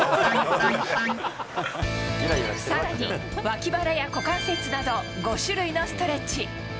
さらに、脇腹や股関節など５種類のストレッチ。